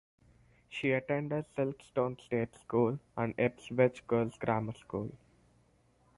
She attended Silkstone State School and Ipswich Girls Grammar School.